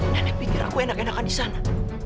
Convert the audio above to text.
nenek pikir aku enak enakan di sana